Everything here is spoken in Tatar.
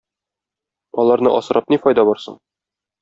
Аларны асрап ни файда бар соң?